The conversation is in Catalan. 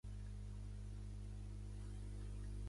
Hi ha petits cràters per tota la seua extensió sud de la planta.